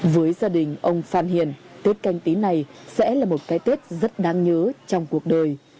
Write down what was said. với gia đình ông phan hiền tết canh tí này sẽ là một cái tết rất đáng nhớ trong cuộc đời